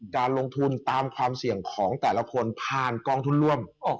การลงทุนตามความเสี่ยงของแต่ละคนผ่านกองทุนร่วม